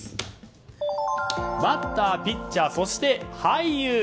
バッター、ピッチャーそして俳優。